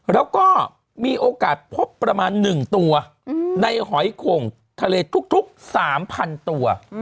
แล้วก็มีโอกาสพบประมาณ๑ตัวในหอยโข่งทะเลทุก๓๐๐๐ตัว